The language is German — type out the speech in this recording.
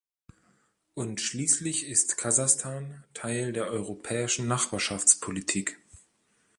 Und schließlich ist Kasachstan Teil der Europäischen Nachbarschaftspolitik.